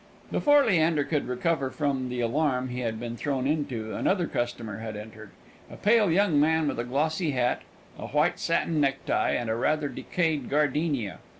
Before Leander could recover from the alarm he had been thrown into, another customer had entered; a pale young man, with a glossy hat, a white satin necktie, and a rather decayed gardenia.